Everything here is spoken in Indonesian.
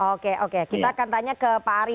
oke oke kita akan tanya ke pak ari